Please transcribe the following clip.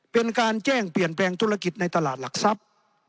เป็นการแจ้งเปลี่ยนแปลงธุรกิจในตลาดหลักทรัพย์